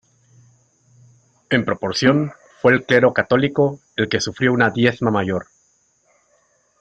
En proporción, fue el clero católico el que sufrió una diezma mayor.